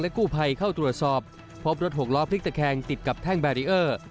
กู้ภัยเข้าตรวจสอบพบรถหกล้อพลิกตะแคงติดกับแท่งแบรีเออร์